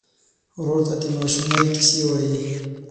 ورور ته د ماشومۍ کیسې وایې.